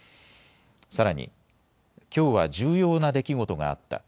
さらに、きょうは重要な出来事があった。